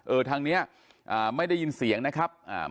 ทางเนี้ยอ่าไม่ได้ยินเสียงนะครับอ่า